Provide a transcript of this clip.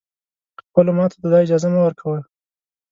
خپلو ماتو ته دا اجازه مه ورکوی